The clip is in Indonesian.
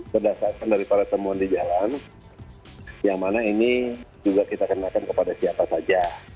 berdasarkan daripada temuan di jalan yang mana ini juga kita kenakan kepada siapa saja